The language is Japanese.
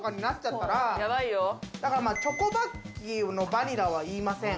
だからチョコバッキーのバニラは言いません。